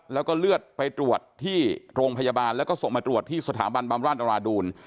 แล้วก็เลือดไปตรวจที่โรงพยาบาลแล้วก็ส่งมาตรวจที่สถาบันบำราชนราดูล